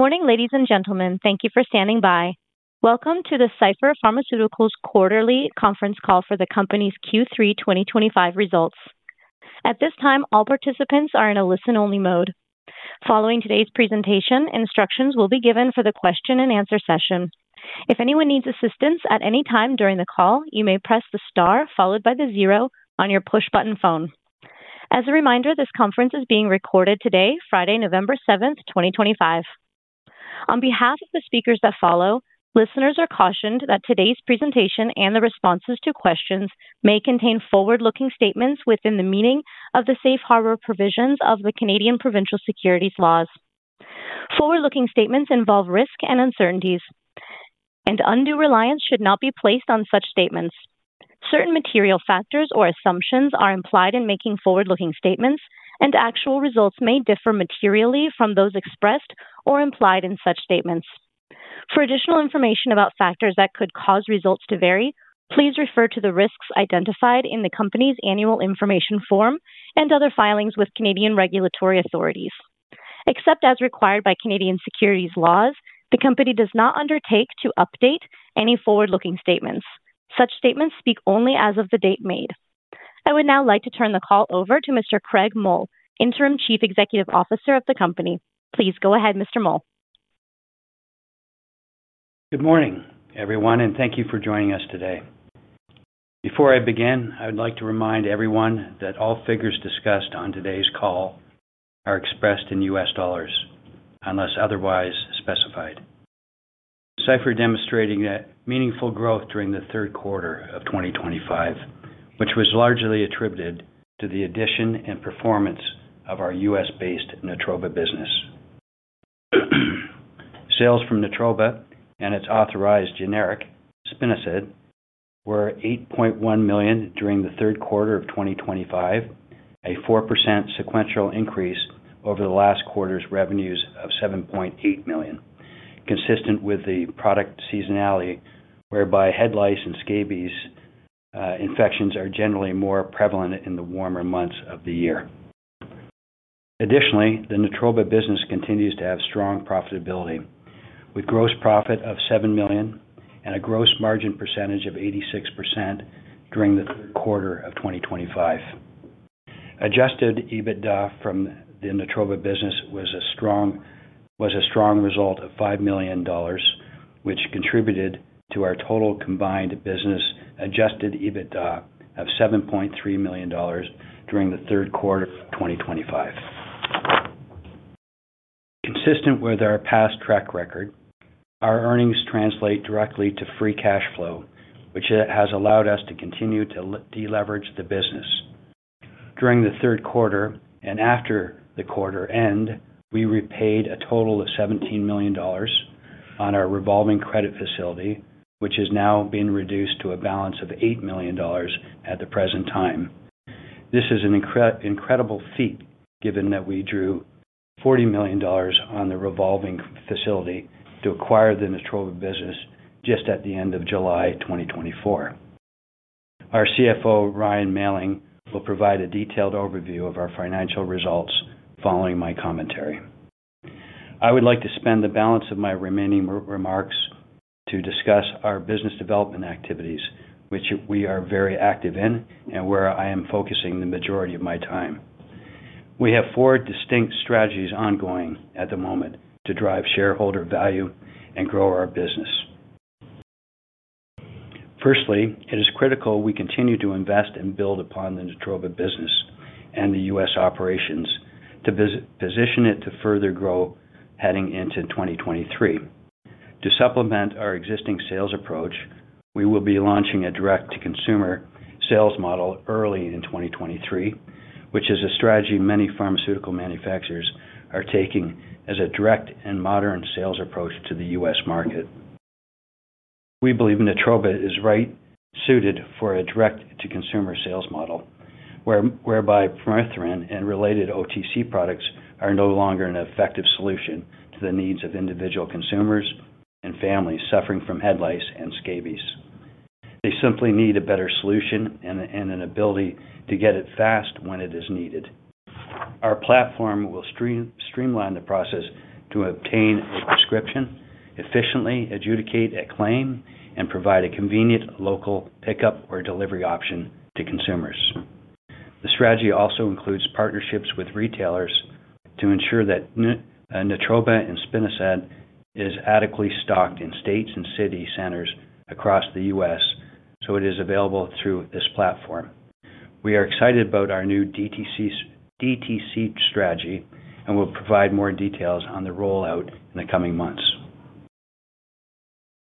Good morning, ladies and gentlemen. Thank you for standing by. Welcome to the Cipher Pharmaceuticals Quarterly Conference Call for the company's Q3 2025 results. At this time, all participants are in a listen-only mode. Following today's presentation, instructions will be given for the question-and-answer session. If anyone needs assistance at any time during the call, you may press the star followed by the zero on your push-button phone. As a reminder, this conference is being recorded today, Friday, November 7th, 2025. On behalf of the speakers that follow, listeners are cautioned that today's presentation and the responses to questions may contain forward-looking statements within the meaning of the safe harbor provisions of the Canadian provincial securities laws. Forward-looking statements involve risk and uncertainties, and undue reliance should not be placed on such statements. Certain material factors or assumptions are implied in making forward-looking statements, and actual results may differ materially from those expressed or implied in such statements. For additional information about factors that could cause results to vary, please refer to the risks identified in the company's annual information form and other filings with Canadian regulatory authorities. Except as required by Canadian securities laws, the company does not undertake to update any forward-looking statements. Such statements speak only as of the date made. I would now like to turn the call over to Mr. Craig Mull, Interim Chief Executive Officer of the company. Please go ahead, Mr. Mull. Good morning, everyone, and thank you for joining us today. Before I begin, I would like to remind everyone that all figures discussed on today's call are expressed in U.S. dollars unless otherwise specified. Cipher demonstrated meaningful growth during the third quarter of 2025, which was largely attributed to the addition and performance of our U.S.-based Natroba business. Sales from Natroba and its authorized generic, spinosad, were $8.1 million during the third quarter of 2025, a 4% sequential increase over the last quarter's revenues of $7.8 million, consistent with the product seasonality, whereby head lice and scabies infections are generally more prevalent in the warmer months of the year. Additionally, the Natroba business continues to have strong profitability, with gross profit of $7 million and a gross margin percentage of 86% during the third quarter of 2025. Adjusted EBITDA from the Natroba business was a strong result of $5 million, which contributed to our total combined business Adjusted EBITDA of $7.3 million during the third quarter of 2025. Consistent with our past track record, our earnings translate directly to Free Cash Flow, which has allowed us to continue to deleverage the business. During the third quarter and after the quarter end, we repaid a total of $17 million on our revolving credit facility, which is now being reduced to a balance of $8 million at the present time. This is an incredible feat, given that we drew $40 million on the revolving facility to acquire the Natroba business just at the end of July 2024. Our CFO, Ryan Mailling, will provide a detailed overview of our financial results following my commentary. I would like to spend the balance of my remaining remarks to discuss our business development activities, which we are very active in and where I am focusing the majority of my time. We have four distinct strategies ongoing at the moment to drive shareholder value and grow our business. Firstly, it is critical we continue to invest and build upon the Natroba business and the U.S. operations to position it to further grow heading into 2023. To supplement our existing sales approach, we will be launching a direct-to-consumer sales model early in 2023, which is a strategy many pharmaceutical manufacturers are taking as a direct and modern sales approach to the U.S. market. We believe Natroba is right-suited for a direct-to-consumer sales model, whereby Permethrin and related OTC products are no longer an effective solution to the needs of individual consumers and families suffering from head lice and scabies. They simply need a better solution and an ability to get it fast when it is needed. Our platform will streamline the process to obtain a prescription, efficiently adjudicate a claim, and provide a convenient local pickup or delivery option to consumers. The strategy also includes partnerships with retailers to ensure that Natroba and spinosad are adequately stocked in states and city centers across the U.S., so it is available through this platform. We are excited about our new DTC strategy and will provide more details on the rollout in the coming months.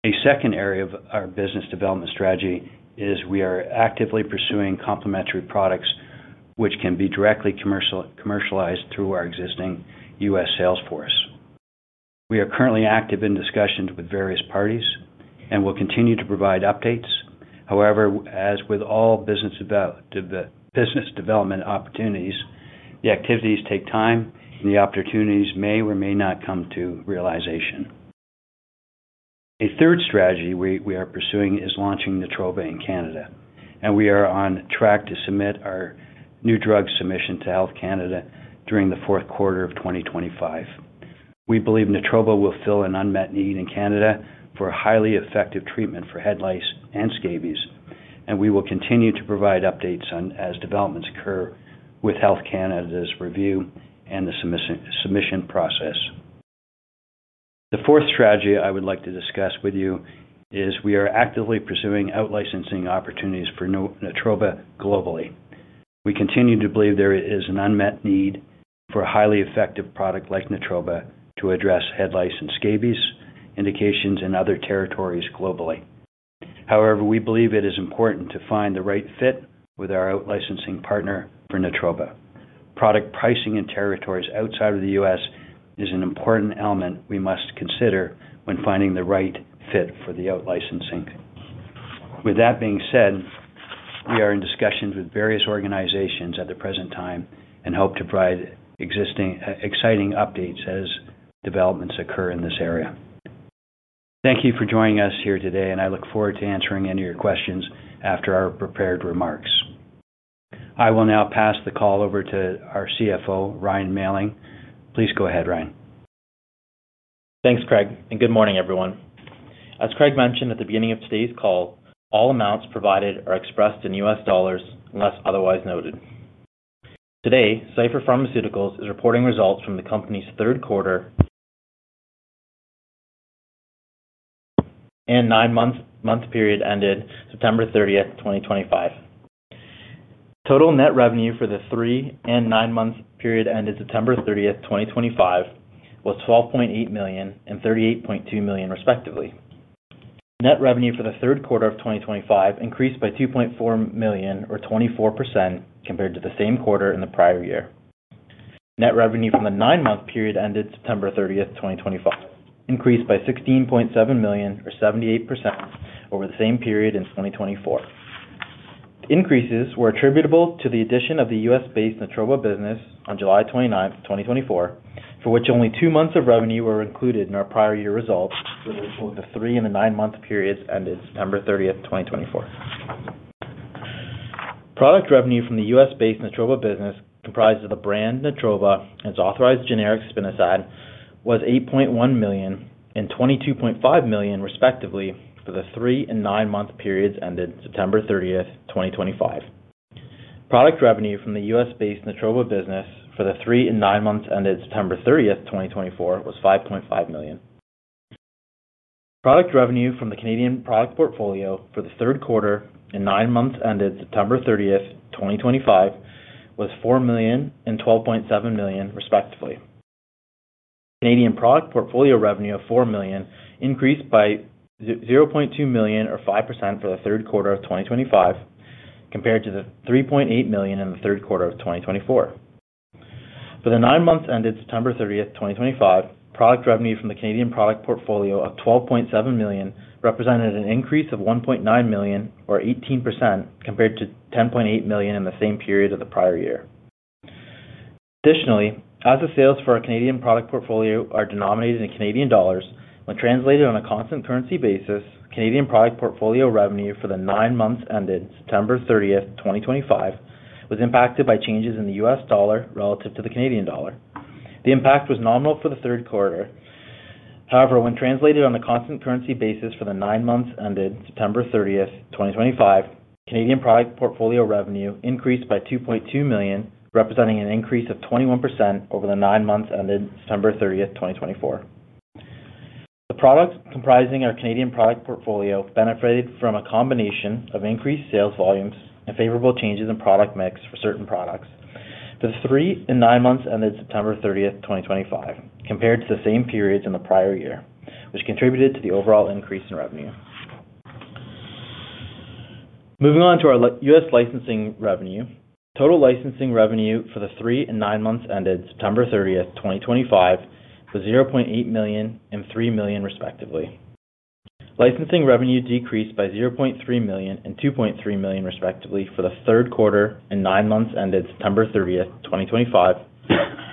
A second area of our business development strategy is we are actively pursuing complementary products, which can be directly commercialized through our existing U.S. sales force. We are currently active in discussions with various parties and will continue to provide updates. However, as with all business development opportunities, the activities take time and the opportunities may or may not come to realization. A third strategy we are pursuing is launching Natroba in Canada, and we are on track to submit our new drug submission to Health Canada during the fourth quarter of 2025. We believe Natroba will fill an unmet need in Canada for highly effective treatment for head lice and scabies, and we will continue to provide updates as developments occur with Health Canada's review and the submission process. The fourth strategy I would like to discuss with you is we are actively pursuing outlicensing opportunities for Natroba globally. We continue to believe there is an unmet need for a highly effective product like Natroba to address head lice and scabies indications in other territories globally. However, we believe it is important to find the right fit with our outlicensing partner for Natroba. Product pricing in territories outside of the U.S. is an important element we must consider when finding the right fit for the outlicensing. With that being said, we are in discussions with various organizations at the present time and hope to provide exciting updates as developments occur in this area. Thank you for joining us here today, and I look forward to answering any of your questions after our prepared remarks. I will now pass the call over to our CFO, Ryan Mailling. Please go ahead, Ryan. Thanks, Craig, and good morning, everyone. As Craig mentioned at the beginning of today's call, all amounts provided are expressed in U.S. dollars unless otherwise noted. Today, Cipher Pharmaceuticals is reporting results from the company's third quarter and nine-month period ended September 30th, 2025. Total net revenue for the three and nine-month period ended September 30th, 2025, was $12.8 million and $38.2 million, respectively. Net revenue for the third quarter of 2025 increased by $2.4 million, or 24%, compared to the same quarter in the prior year. Net revenue from the nine-month period ended September 30th, 2025, increased by $16.7 million, or 78%, over the same period in 2024. The increases were attributable to the addition of the U.S.-based Natroba business on July 29th, 2024, for which only two months of revenue were included in our prior year results for the three and the nine-month periods ended September 30th, 2024. Product revenue from the U.S.-based Natroba business comprised of the brand Natroba and its authorized generic spinosad was $8.1 million and $22.5 million, respectively, for the three and nine-month periods ended September 30th, 2025. Product revenue from the U.S.-based Natroba business for the three and nine months ended September 30th, 2024, was $5.5 million. Product revenue from the Canadian product portfolio for the third quarter and nine months ended September 30th, 2025, was $4 million and $12.7 million, respectively. Canadian product portfolio revenue of $4 million increased by $0.2 million, or 5%, for the third quarter of 2025, compared to the $3.8 million in the third quarter of 2024. For the nine months ended September 30th, 2025, product revenue from the Canadian product portfolio of $12.7 million represented an increase of $1.9 million, or 18%, compared to $10.8 million in the same period of the prior year. Additionally, as the sales for our Canadian product portfolio are denominated in Canadian dollars, when translated on a constant currency basis, Canadian product portfolio revenue for the nine months ended September 30th, 2025, was impacted by changes in the U.S. dollar relative to the Canadian dollar. The impact was nominal for the third quarter. However, when translated on a constant currency basis for the nine months ended September 30th, 2025, Canadian product portfolio revenue increased by $2.2 million, representing an increase of 21% over the nine months ended September 30th, 2024. The products comprising our Canadian product portfolio benefited from a combination of increased sales volumes and favorable changes in product mix for certain products for the three and nine months ended September 30th, 2025, compared to the same periods in the prior year, which contributed to the overall increase in revenue. Moving on to our U.S. Licensing revenue, total licensing revenue for the three and nine months ended September 30th, 2025, was $0.8 million and $3 million, respectively. Licensing revenue decreased by $0.3 million and $2.3 million, respectively, for the third quarter and nine months ended September 30th, 2025,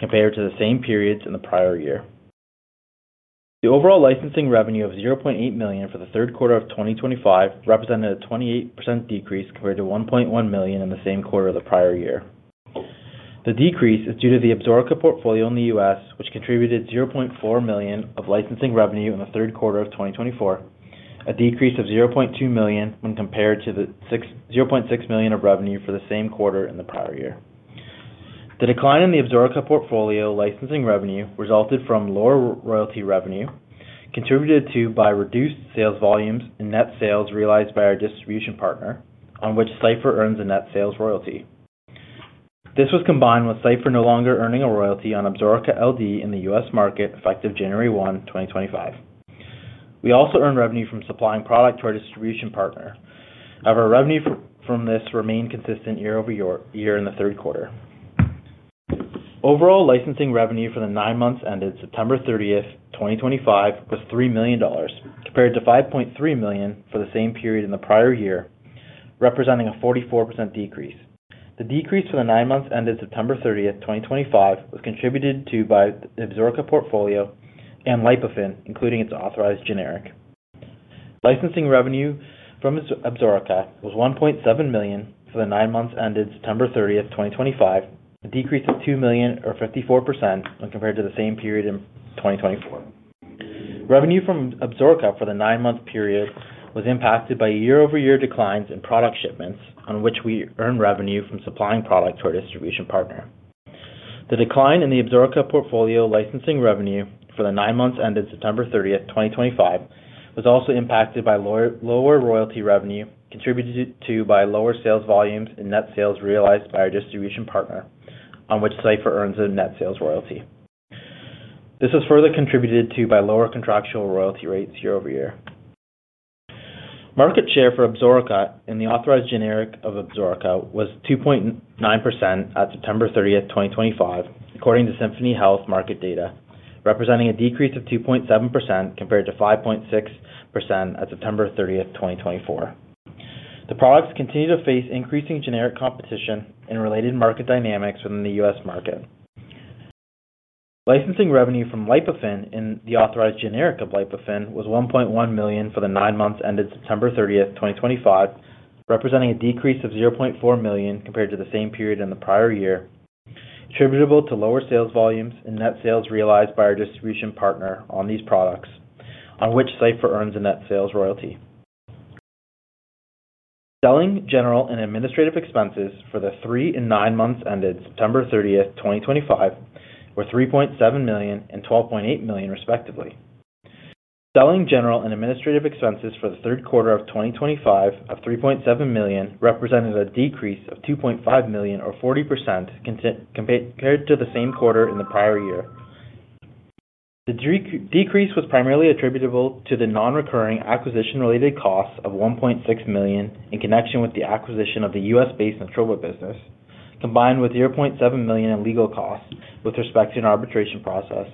compared to the same periods in the prior year. The overall licensing revenue of $0.8 million for the third quarter of 2025 represented a 28% decrease compared to $1.1 million in the same quarter of the prior year. The decrease is due to the Absorica portfolio in the U.S., which contributed $0.4 million of licensing revenue in the third quarter of 2024, a decrease of $0.2 million when compared to the $0.6 million of revenue for the same quarter in the prior year. The decline in the Absorica portfolio licensing revenue resulted from lower royalty revenue, contributed to by reduced sales volumes and net sales realized by our distribution partner, on which Cipher earns a net sales royalty. This was combined with Cipher no longer earning a royalty on Absorica LD in the U.S. market effective January 1, 2025. We also earned revenue from supplying product to our distribution partner. However, revenue from this remained consistent year-over-year in the third quarter. Overall licensing revenue for the nine months ended September 30th, 2025, was $3 million, compared to $5.3 million for the same period in the prior year, representing a 44% decrease. The decrease for the nine months ended September 30th, 2025, was contributed to by the Absorica portfolio and Lipofen, including its authorized generic. Licensing revenue from Absorica was $1.7 million for the nine months ended September 30th, 2025, a decrease of $2 million, or 54%, when compared to the same period in 2024. Revenue from Absorica for the nine-month period was impacted by year-over-year declines in product shipments, on which we earned revenue from supplying product to our distribution partner. The decline in the Absorica portfolio licensing revenue for the nine months ended September 30th, 2025, was also impacted by lower royalty revenue, contributed to by lower sales volumes and net sales realized by our distribution partner, on which Cipher earns a net sales royalty. This was further contributed to by lower contractual royalty rates year-over-year. Market share for Absorica in the authorized generic of Absorica was 2.9% at September 30th, 2025, according to Symphony Health market data, representing a decrease of 2.7% compared to 5.6% at September 30th, 2024. The products continue to face increasing generic competition and related market dynamics within the U.S. market. Licensing revenue from Lipofen and the authorized generic of Lipofen was $1.1 million for the nine months ended September 30th, 2025, representing a decrease of $0.4 million compared to the same period in the prior year, attributable to lower sales volumes and net sales realized by our distribution partner on these products, on which Cipher earns a net sales royalty. Selling, general and administrative expenses for the three and nine months ended September 30th, 2025, were $3.7 million and $12.8 million, respectively. Selling, general and administrative expenses for the third quarter of 2025 of $3.7 million represented a decrease of $2.5 million, or 40%, compared to the same quarter in the prior year. The decrease was primarily attributable to the non-recurring acquisition-related costs of $1.6 million in connection with the acquisition of the U.S.-based Natroba business, combined with $0.7 million in legal costs with respect to an arbitration process,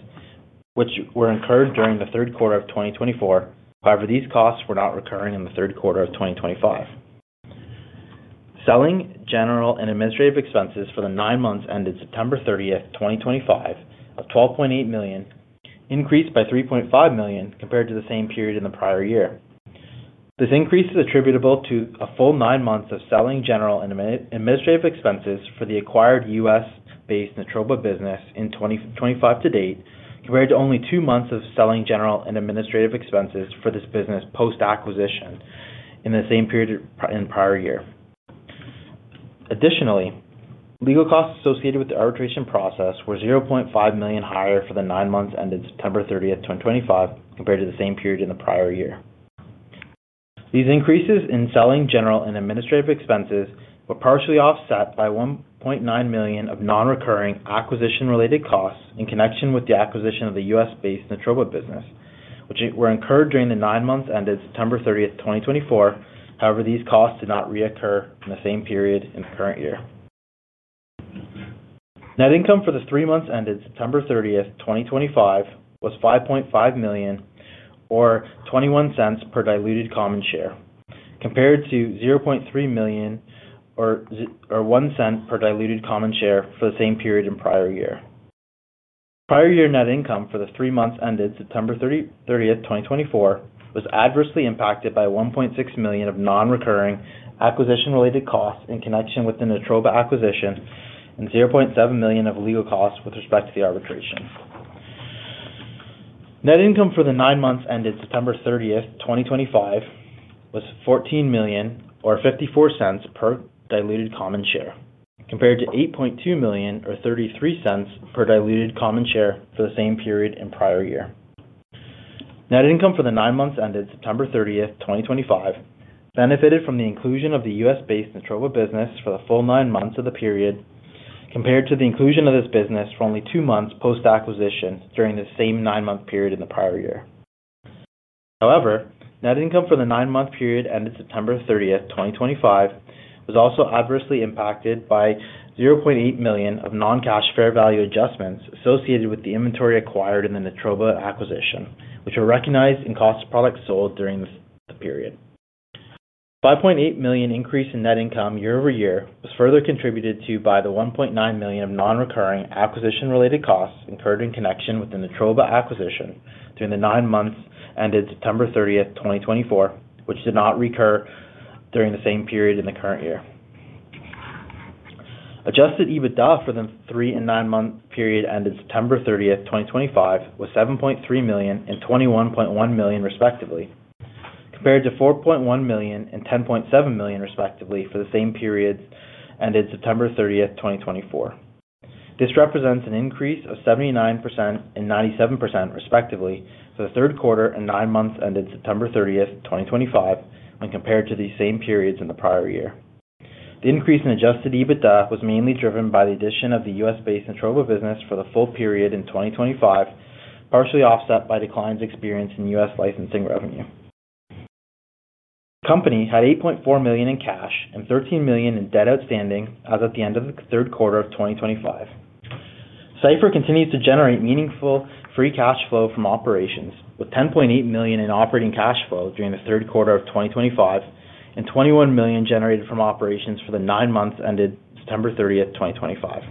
which were incurred during the third quarter of 2024. However, these costs were not recurring in the third quarter of 2025. Selling general and administrative expenses for the nine months ended September 30th, 2025, of $12.8 million increased by $3.5 million compared to the same period in the prior year. This increase is attributable to a full nine months of selling general and administrative expenses for the acquired U.S.-based Natroba business in 2025 to date, compared to only two months of selling general and administrative expenses for this business post-acquisition in the same period in the prior year. Additionally, legal costs associated with the arbitration process were $0.5 million higher for the nine months ended September 30th, 2025, compared to the same period in the prior year. These increases in selling, general and administrative expenses were partially offset by $1.9 million of non-recurring acquisition-related costs in connection with the acquisition of the U.S.-based Natroba business, which were incurred during the nine months ended September 30th, 2024. However, these costs did not reoccur in the same period in the current year. Net income for the three months ended September 30th, 2025, was $5.5 million, or $0.21 per diluted common share, compared to $0.3 million, or $0.01 per diluted common share for the same period in the prior year. Prior year net income for the three months ended September 30th, 2024, was adversely impacted by $1.6 million of non-recurring acquisition-related costs in connection with the Natroba acquisition and $0.7 million of legal costs with respect to the arbitration. Net income for the nine months ended September 30th, 2025, was $14 million, or $0.54 per diluted common share, compared to $8.2 million, or $0.33 per diluted common share for the same period in the prior year. Net income for the nine months ended September 30th, 2025, benefited from the inclusion of the U.S.-based Natroba business for the full nine months of the period, compared to the inclusion of this business for only two months post-acquisition during the same nine-month period in the prior year. However, net income for the nine-month period ended September 30th, 2025, was also adversely impacted by $0.8 million of non-cash fair value adjustments associated with the inventory acquired in the Natroba acquisition, which were recognized in cost of product sold during the period. The $5.8 million increase in net income year-over-year was further contributed to by the $1.9 million of non-recurring acquisition-related costs incurred in connection with the Natroba acquisition during the nine months ended September 30th, 2024, which did not recur during the same period in the current year. Adjusted EBITDA for the three and nine-month period ended September 30th, 2025, was $7.3 million and $21.1 million, respectively, compared to $4.1 million and $10.7 million, respectively, for the same periods ended September 30th, 2024. This represents an increase of 79% and 97%, respectively, for the third quarter and nine months ended September 30th, 2025, when compared to the same periods in the prior year. The increase in Adjusted EBITDA was mainly driven by the addition of the U.S.-based Natroba business for the full period in 2025, partially offset by declines experienced in U.S. licensing revenue. The company had $8.4 million in cash and $13 million in debt outstanding as of the end of the third quarter of 2025. Cipher continues to generate meaningful Free Cash Flow from operations, with $10.8 million in operating cash flow during the third quarter of 2025 and $21 million generated from operations for the nine months ended September 30th, 2025.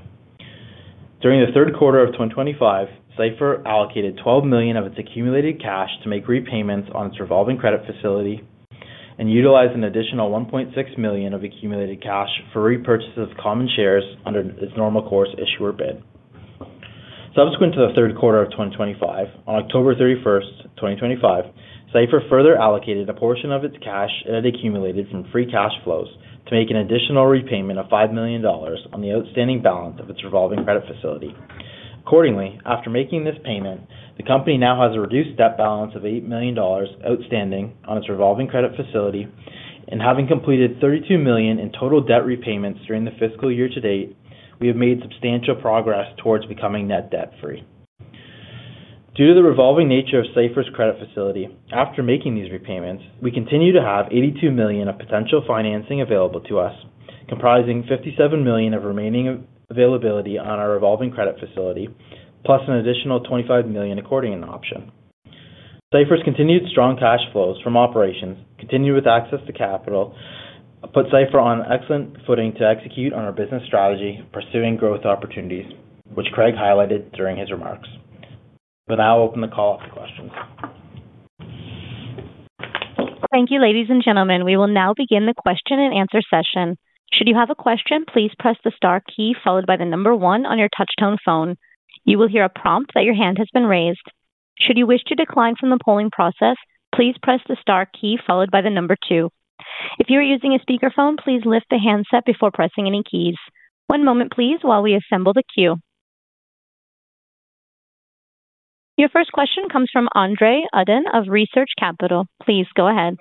During the third quarter of 2025, Cipher allocated $12 million of its accumulated cash to make repayments on its revolving credit facility and utilized an additional $1.6 million of accumulated cash for repurchase of common shares under its normal course issuer bid. Subsequent to the third quarter of 2025, on October 31th, 2025, Cipher further allocated a portion of its cash it had accumulated from Free Cash Flows to make an additional repayment of $5 million on the outstanding balance of its revolving credit facility. Accordingly, after making this payment, the company now has a reduced debt balance of $8 million outstanding on its revolving credit facility and having completed $32 million in total debt repayments during the fiscal year-to-date, we have made substantial progress towards becoming net debt-free. Due to the revolving nature of Cipher's credit facility, after making these repayments, we continue to have $82 million of potential financing available to us, comprising $57 million of remaining availability on our revolving credit facility, plus an additional $25 million according in option. Cipher's continued strong cash flows from operations, continued with access to capital, put Cipher on excellent footing to execute on our business strategy of pursuing growth opportunities, which Craig highlighted during his remarks. We'll now open the call for questions. Thank you, ladies and gentlemen. We will now begin the question-and-answer session. Should you have a question, please press the star key followed by the number one on your touch-tone phone. You will hear a prompt that your hand has been raised. Should you wish to decline from the polling process, please press the star key followed by the number two. If you are using a speakerphone, please lift the handset before pressing any keys. One moment, please, while we assemble the queue. Your first question comes from Andre Uddin of Research Capital. Please go ahead.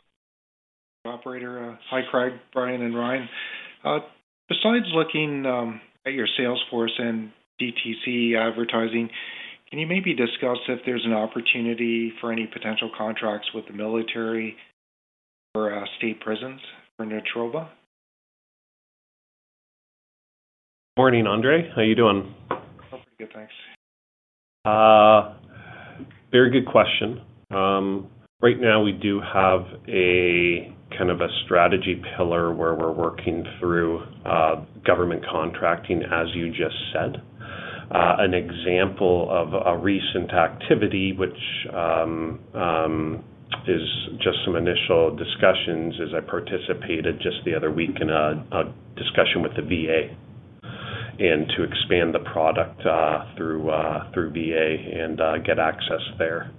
Operator, hi Craig, Bryan, and Ryan. Besides looking at your salesforce and DTC advertising, can you maybe discuss if there's an opportunity for any potential contracts with the military or state prisons for Natroba? Good morning, Andre. How are you doing? I'm pretty good, thanks. Very good question. Right now, we do have a kind of a strategy pillar where we're working through government contracting, as you just said. An example of a recent activity, which is just some initial discussions, is I participated just the other week in a discussion with the VA to expand the product through VA and get access there.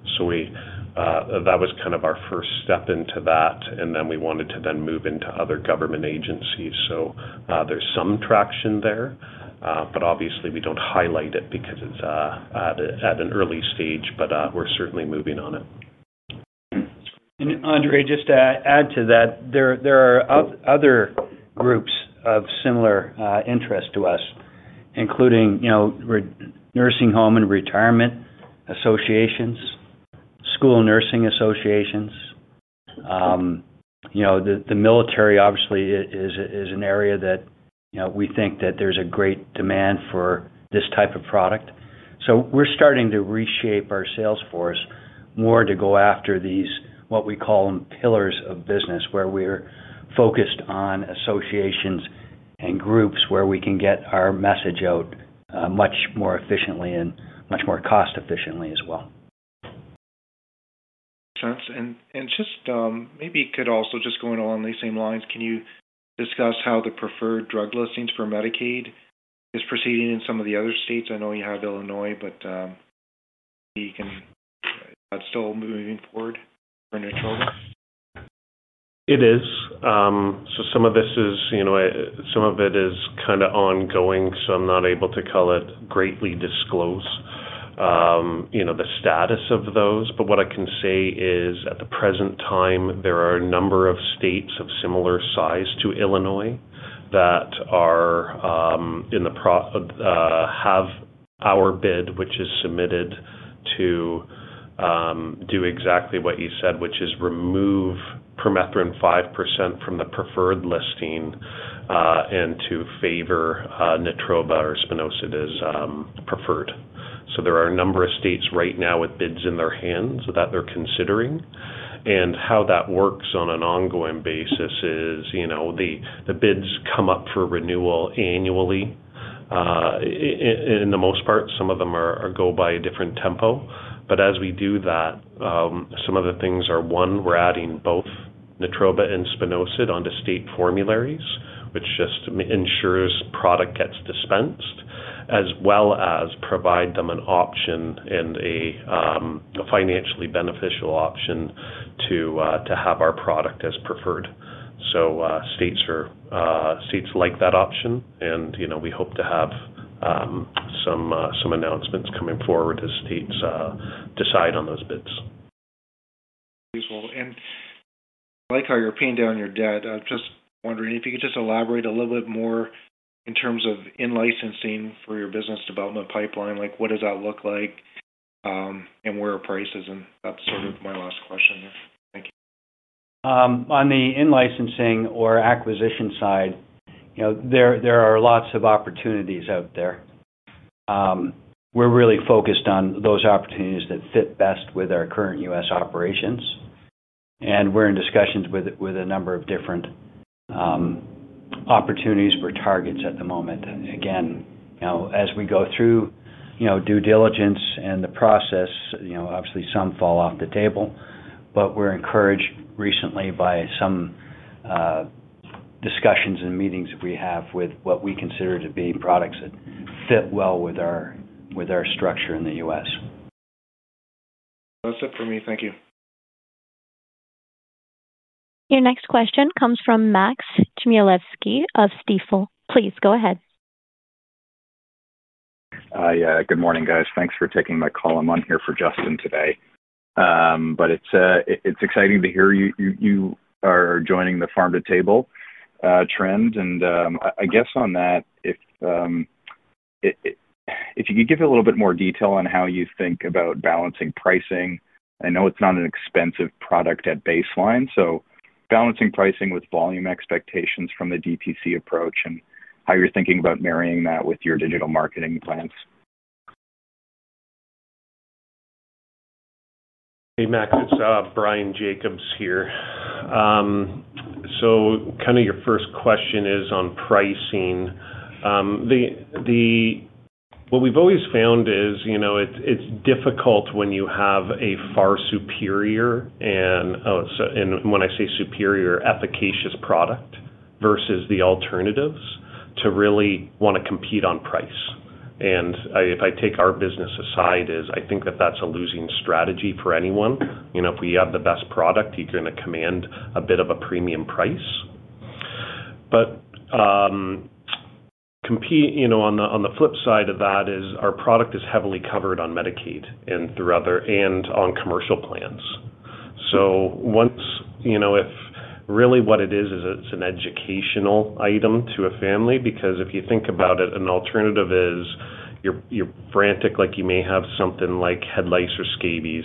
That was kind of our first step into that, and then we wanted to then move into other government agencies. There is some traction there, but obviously, we do not highlight it because it is at an early stage, but we are certainly moving on it. Andre, just to add to that, there are other groups of similar interest to us, including nursing home and retirement associations, school nursing associations. The military, obviously, is an area that we think that there's a great demand for this type of product. We are starting to reshape our salesforce more to go after these, what we call them, pillars of business, where we are focused on associations and groups where we can get our message out much more efficiently and much more cost-efficiently as well. Makes sense. And just maybe could also just going along these same lines, can you discuss how the preferred drug listings for Medicaid is proceeding in some of the other states? I know you have Illinois, but you can still moving forward for Natroba. It is. Some of this is kind of ongoing, so I'm not able to, call it, greatly disclose the status of those. What I can say is, at the present time, there are a number of states of similar size to Illinois that have our bid, which is submitted to do exactly what you said, which is remove permethrin 5% from the preferred listing and to favor Natroba or spinosad if it is preferred. There are a number of states right now with bids in their hands that they're considering. How that works on an ongoing basis is the bids come up for renewal annually in the most part. Some of them go by a different tempo. As we do that, some of the things are, one, we're adding both Natroba and spinosad onto state formularies, which just ensures product gets dispensed, as well as provide them an option and a financially beneficial option to have our product as preferred. States like that option, and we hope to have some announcements coming forward as states decide on those bids. Beautiful. I like how you're paying down your debt. Just wondering if you could just elaborate a little bit more in terms of in-licensing for your business development pipeline. What does that look like, and where are prices? That's sort of my last question there. Thank you. On the in-licensing or acquisition side, there are lots of opportunities out there. We are really focused on those opportunities that fit best with our current U.S. operations. We are in discussions with a number of different opportunities for targets at the moment. Again, as we go through due diligence and the process, obviously, some fall off the table, but we are encouraged recently by some discussions and meetings that we have with what we consider to be products that fit well with our structure in the U.S. That's it for me. Thank you. Your next question comes from Max Chmielewski of Stifel. Please go ahead. Hi, good morning, guys. Thanks for taking my call. I'm on here for Justin today. It's exciting to hear you are joining the farm-to-table trend. I guess on that, if you could give a little bit more detail on how you think about balancing pricing. I know it's not an expensive product at baseline. Balancing pricing with volume expectations from the DTC approach and how you're thinking about marrying that with your digital marketing plans. Hey, Max. It's Bryan Jacobs here. So kind of your first question is on pricing. What we've always found is it's difficult when you have a far superior, and when I say superior, efficacious product versus the alternatives to really want to compete on price. If I take our business aside, I think that that's a losing strategy for anyone. If we have the best product, you're going to command a bit of a premium price. On the flip side of that, our product is heavily covered on Medicaid and on commercial plans. Really what it is is it's an educational item to a family because if you think about it, an alternative is you're frantic like you may have something like head lice or scabies,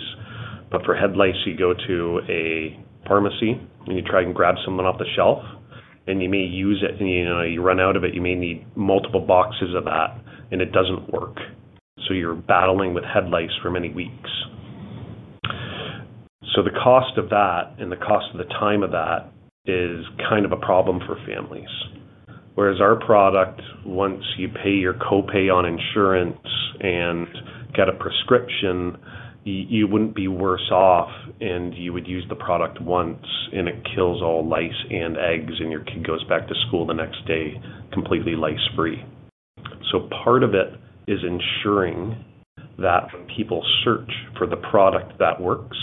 but for head lice, you go to a pharmacy and you try and grab someone off the shelf, and you may use it and you run out of it. You may need multiple boxes of that, and it doesn't work. You're battling with head lice for many weeks. The cost of that and the cost of the time of that is kind of a problem for families. Whereas our product, once you pay your copay on insurance and get a prescription, you wouldn't be worse off, and you would use the product once, and it kills all lice and eggs, and your kid goes back to school the next day completely lice-free. Part of it is ensuring that when people search for the product that works,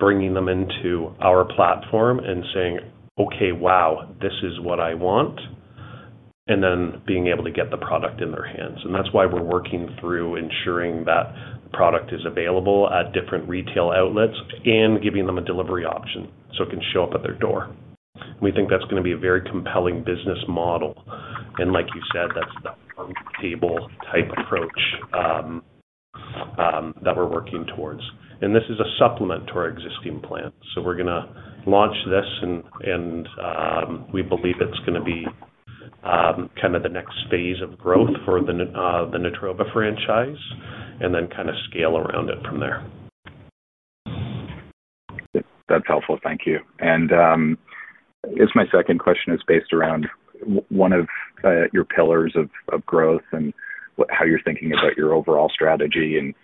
bringing them into our platform and saying, "Okay, wow, this is what I want," and then being able to get the product in their hands. That is why we are working through ensuring that the product is available at different retail outlets and giving them a delivery option so it can show up at their door. We think that is going to be a very compelling business model. Like you said, that is the farm-to-table type approach that we are working towards. This is a supplement to our existing plan. We are going to launch this, and we believe it is going to be kind of the next phase of growth for the Natroba franchise and then kind of scale around it from there. That's helpful. Thank you. My second question is based around one of your pillars of growth and how you're thinking about your overall strategy and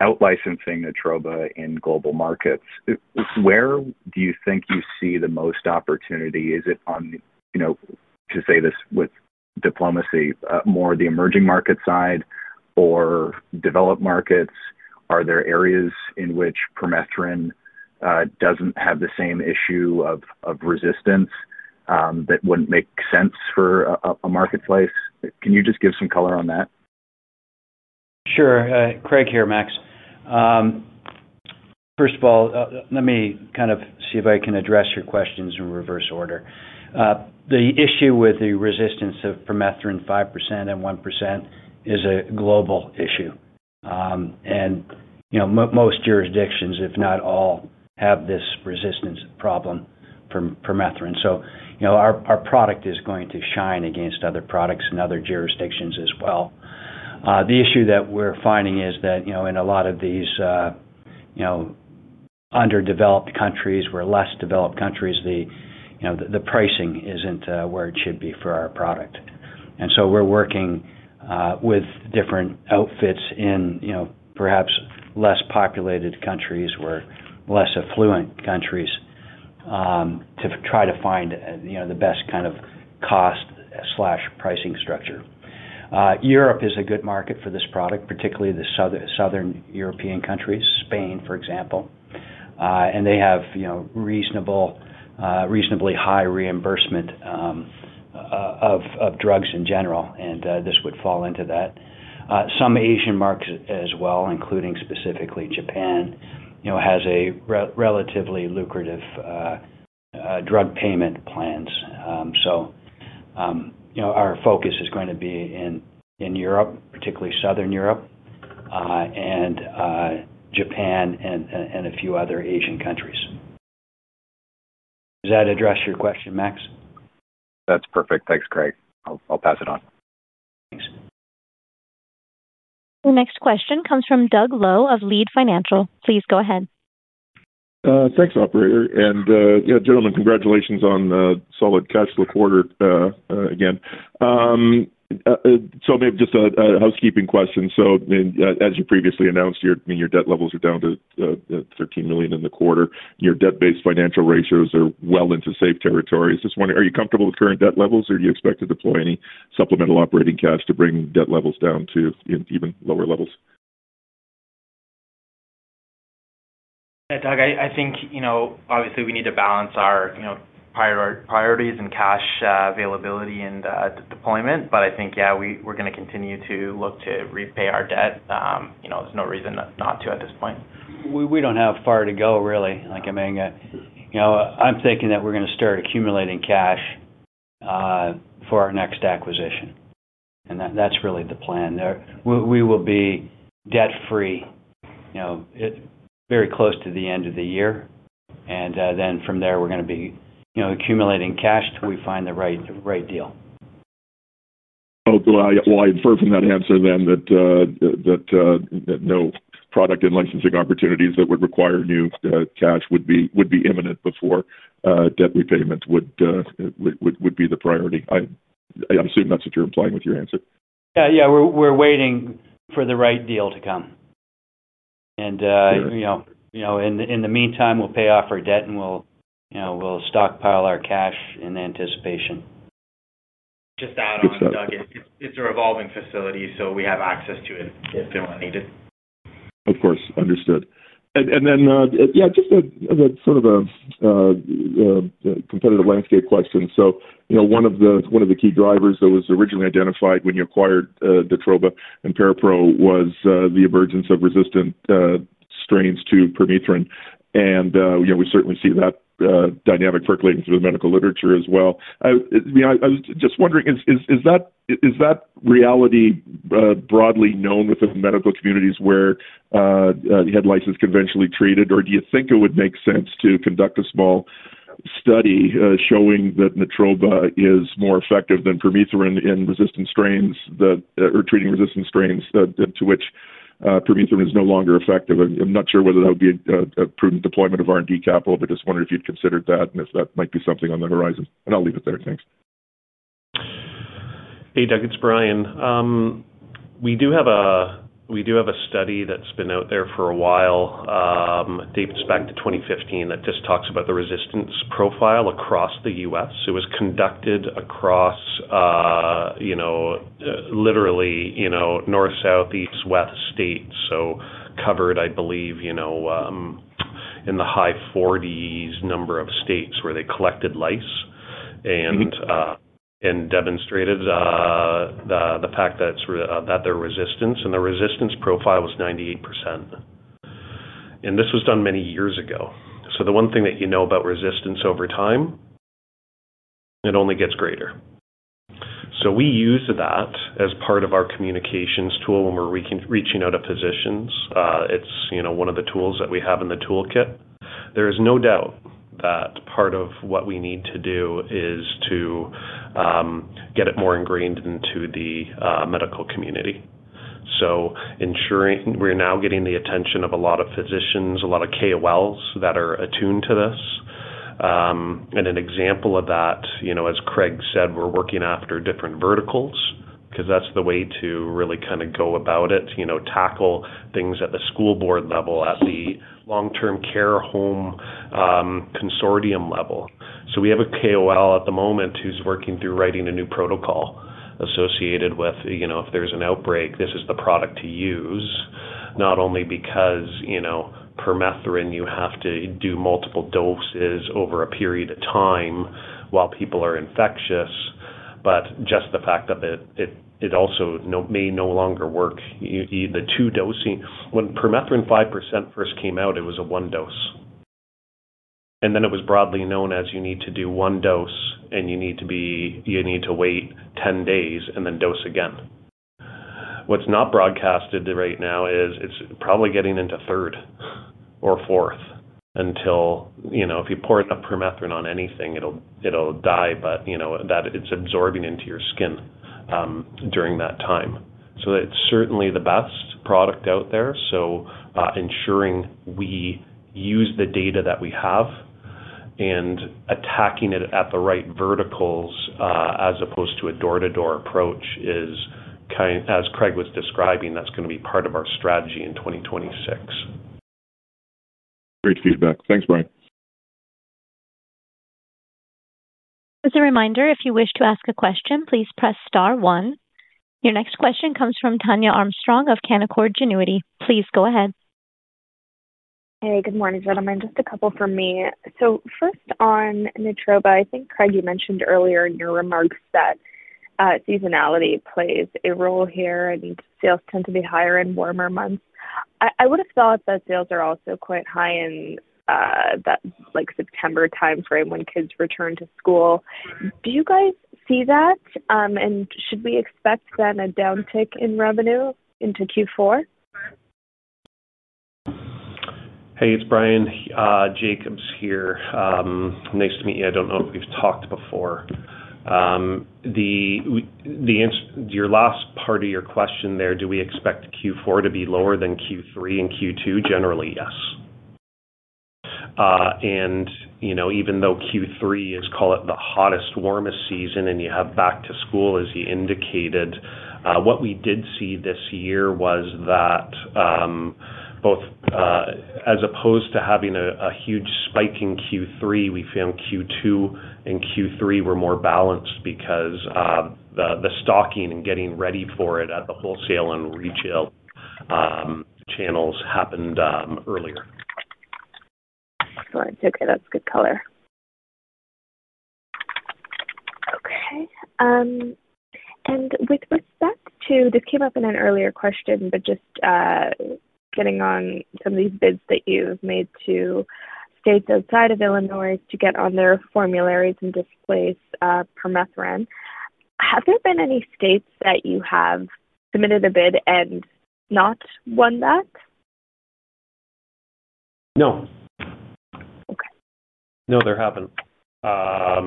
out-licensing Natroba in global markets. Where do you think you see the most opportunity? Is it, to say this with diplomacy, more the emerging market side or developed markets? Are there areas in which permethrin doesn't have the same issue of resistance that wouldn't make sense for a marketplace? Can you just give some color on that? Sure. Craig here, Max. First of all, let me kind of see if I can address your questions in reverse order. The issue with the resistance of permethrin 5% and 1% is a global issue. Most jurisdictions, if not all, have this resistance problem from permethrin. Our product is going to shine against other products in other jurisdictions as well. The issue that we're finding is that in a lot of these underdeveloped countries or less developed countries, the pricing is not where it should be for our product. We are working with different outfits in perhaps less populated countries or less affluent countries to try to find the best kind of cost/pricing structure. Europe is a good market for this product, particularly the southern European countries, Spain, for example. They have reasonably high reimbursement of drugs in general, and this would fall into that. Some Asian markets as well, including specifically Japan, have relatively lucrative drug payment plans. Our focus is going to be in Europe, particularly southern Europe, and Japan and a few other Asian countries. Does that address your question, Max? That's perfect. Thanks, Craig. I'll pass it on. Thanks. The next question comes from Doug Loe of Leede Financial. Please go ahead. Thanks, operator. Gentlemen, congratulations on solid cash for the quarter again. Maybe just a housekeeping question. As you previously announced, your debt levels are down to $13 million in the quarter. Your debt-based financial ratios are well into safe territory. Just wondering, are you comfortable with current debt levels, or do you expect to deploy any supplemental operating cash to bring debt levels down to even lower levels? Yeah, Doug, I think obviously we need to balance our priorities and cash availability and deployment, but I think, yeah, we're going to continue to look to repay our debt. There's no reason not to at this point. We don't have far to go, really. I mean, I'm thinking that we're going to start accumulating cash for our next acquisition. That is really the plan there. We will be debt-free very close to the end of the year. From there, we're going to be accumulating cash till we find the right deal. I'll infer from that answer then that no product and licensing opportunities that would require new cash would be imminent before debt repayment would be the priority. I assume that's what you're implying with your answer. Yeah, yeah. We're waiting for the right deal to come. In the meantime, we'll pay off our debt, and we'll stockpile our cash in anticipation. Just to add on, Doug, it's a revolving facility, so we have access to it if and when needed. Of course. Understood. Yeah, just sort of a competitive landscape question. One of the key drivers that was originally identified when you acquired Natroba and ParaPRO was the emergence of resistant strains to permethrin. We certainly see that dynamic percolating through the medical literature as well. I was just wondering, is that reality broadly known within the medical communities where you had license conventionally treated, or do you think it would make sense to conduct a small study showing that Natroba is more effective than permethrin in resistant strains or treating resistant strains to which permethrin is no longer effective? I'm not sure whether that would be a prudent deployment of R&D capital, but just wondered if you'd considered that and if that might be something on the horizon. I'll leave it there. Thanks. Hey, Doug. It's Bryan. We do have a study that's been out there for a while. I think it's back to 2015 that just talks about the resistance profile across the U.S. It was conducted across literally north, south, east, west states. So covered, I believe, in the high 40s number of states where they collected lice and demonstrated the fact that their resistance and the resistance profile was 98%. This was done many years ago. The one thing that you know about resistance over time, it only gets greater. We use that as part of our communications tool when we're reaching out to physicians. It's one of the tools that we have in the toolkit. There is no doubt that part of what we need to do is to get it more ingrained into the medical community. We're now getting the attention of a lot of physicians, a lot of KOLs that are attuned to this. An example of that, as Craig said, we're working after different verticals because that's the way to really kind of go about it, tackle things at the school board level, at the long-term care home consortium level. We have a KOL at the moment who's working through writing a new protocol associated with, if there's an outbreak, this is the product to use, not only because permethrin you have to do multiple doses over a period of time while people are infectious, but just the fact that it also may no longer work. The two dosing when permethrin 5% first came out, it was a one dose. It was broadly known as you need to do one dose, and you need to wait 10 days and then dose again. What's not broadcasted right now is it's probably getting into third or fourth until if you pour enough Permethrin on anything, it'll die, but it's absorbing into your skin during that time. It's certainly the best product out there. Ensuring we use the data that we have and attacking it at the right verticals as opposed to a door-to-door approach, as Craig was describing, that's going to be part of our strategy in 2026. Great feedback. Thanks, Bryan. As a reminder, if you wish to ask a question, please press star one. Your next question comes from Tania Armstrong of Canaccord Genuity. Please go ahead. Hey, good morning, gentlemen. Just a couple for me. First on Natroba, I think Craig, you mentioned earlier in your remarks that seasonality plays a role here and sales tend to be higher in warmer months. I would have thought that sales are also quite high in that September timeframe when kids return to school. Do you guys see that? Should we expect then a downtick in revenue into Q4? Hey, it's Bryan Jacobs here. Nice to meet you. I don't know if we've talked before. Your last part of your question there, do we expect Q4 to be lower than Q3 and Q2? Generally, yes. Even though Q3 is, call it the hottest, warmest season, and you have back to school, as you indicated, what we did see this year was that as opposed to having a huge spike in Q3, we found Q2 and Q3 were more balanced because the stocking and getting ready for it at the wholesale and retail channels happened earlier. Excellent. Okay. That's good color. Okay. With respect to this, it came up in an earlier question, but just getting on some of these bids that you've made to states outside of Illinois to get on their formularies and displace permethrin, have there been any states that you have submitted a bid and not won that? No. Okay. No, there haven't. Yeah.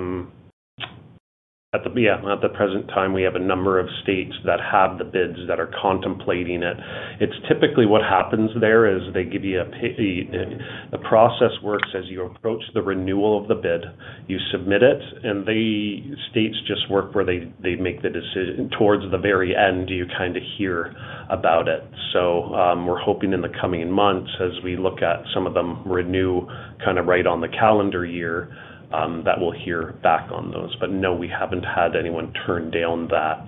At the present time, we have a number of states that have the bids that are contemplating it. It's typically what happens there is they give you a process works as you approach the renewal of the bid. You submit it, and the states just work where they make the decision. Towards the very end, you kind of hear about it. We are hoping in the coming months, as we look at some of them renew kind of right on the calendar year, that we'll hear back on those. No, we haven't had anyone turn down that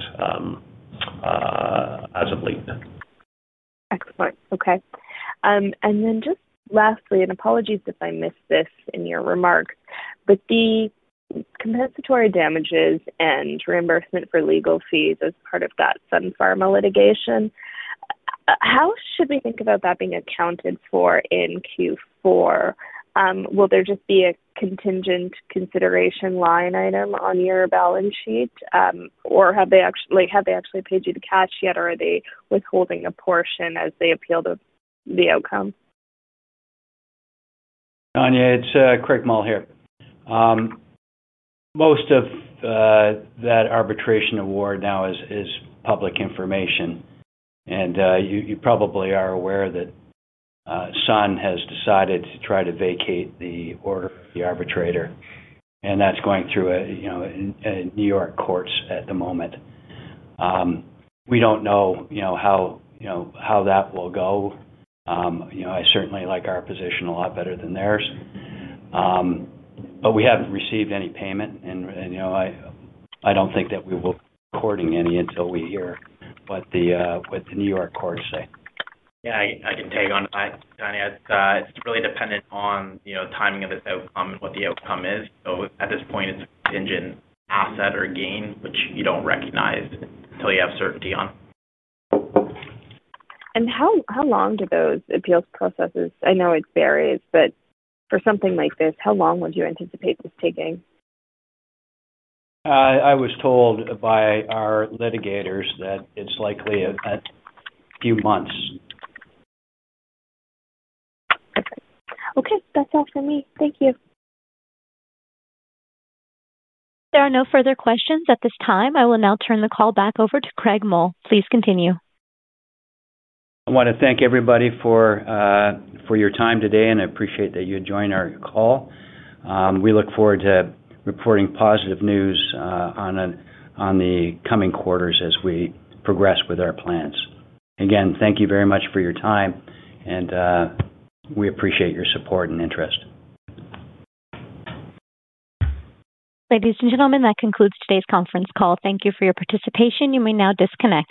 as of late. Excellent. Okay. And then just lastly, and apologies if I missed this in your remarks, but the compensatory damages and reimbursement for legal fees as part of that Sun Pharma litigation, how should we think about that being accounted for in Q4? Will there just be a contingent consideration line item on your balance sheet, or have they actually paid you the cash yet, or are they withholding a portion as they appeal the outcome? Tania, it's Craig Mull here. Most of that arbitration award now is public information. You probably are aware that Sun has decided to try to vacate the arbitrator, and that's going through New York courts at the moment. We don't know how that will go. I certainly like our position a lot better than theirs. We haven't received any payment, and I don't think that we will be recording any until we hear what the New York courts say. Yeah, I can tag on that, Tania. It's really dependent on the timing of this outcome and what the outcome is. At this point, it's contingent asset or gain, which you don't recognize until you have certainty on. How long do those appeals processes take? I know it varies, but for something like this, how long would you anticipate this taking? I was told by our litigators that it's likely a few months. Perfect. Okay. That's all for me. Thank you. If there are no further questions at this time, I will now turn the call back over to Craig Mull. Please continue. I want to thank everybody for your time today, and I appreciate that you joined our call. We look forward to reporting positive news in the coming quarters as we progress with our plans. Again, thank you very much for your time, and we appreciate your support and interest. Ladies and gentlemen, that concludes today's conference call. Thank you for your participation. You may now disconnect.